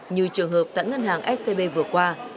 như trường hợp tại ngân hàng scb vừa qua